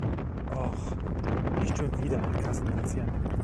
Och, nicht schon wieder ein Kassenpatient!